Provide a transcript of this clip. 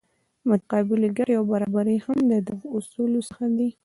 متقابلې ګټې او برابري هم د دغو اصولو څخه دي.